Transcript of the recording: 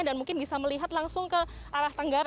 dan mungkin bisa melihat langsung ke arah tangga